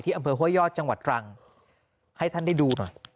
อำเภอห้วยยอดจังหวัดตรังให้ท่านได้ดูหน่อย